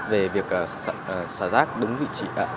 về việc xả rác đúng vị trí